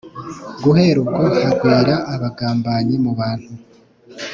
Guhera ubwo hagwira abagambanyi mu bantu